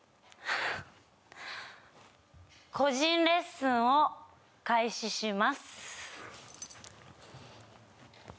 あ個人レッスンを開始します